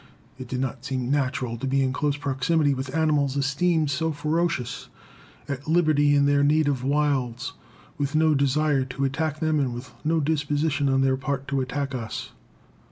It did not seem natural to be in close proximity with animals esteemed so ferocious, at liberty in their native wilds, with no desire to attack them and with no disposition on their part to attack us.